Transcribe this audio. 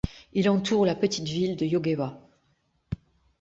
Il entoure la petite ville de Jõgeva.